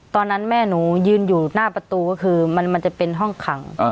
ตอนนั้นแม่หนูยืนอยู่หน้าประตูก็คือมันจะเป็นห้องขัง